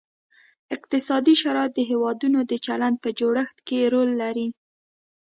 اقتصادي شرایط د هیوادونو د چلند په جوړښت کې رول لري